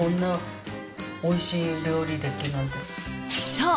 そう。